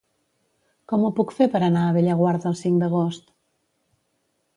Com ho puc fer per anar a Bellaguarda el cinc d'agost?